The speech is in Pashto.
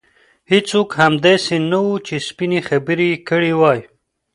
هېڅوک هم داسې نه وو چې سپینې خبرې یې کړې وای.